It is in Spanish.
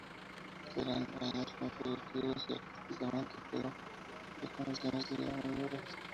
Serán años muy productivos artísticamente pero de condiciones de vida muy duras.